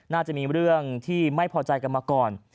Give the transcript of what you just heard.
น่าจะมีเรื่องที่ไม่พอใจกันมาก่อน